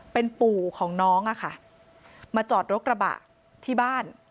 เป็นปู่ของน้องอะค่ะมาจอดรถกระบะที่บ้าน